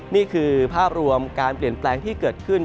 นี่คือภาพรวมการเปลี่ยนแปลงที่เกิดขึ้น